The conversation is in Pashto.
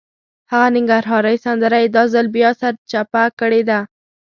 هغه ننګرهارۍ سندره یې دا ځل بیا سرچپه کړې ده.